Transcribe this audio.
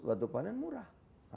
waktu panen murah